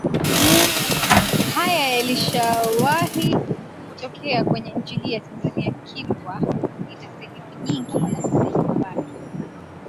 haya yalishawahi kutokea kwenye nchi hii ya Tanzania Kilwa ina sehemu nyingi zenye mabaki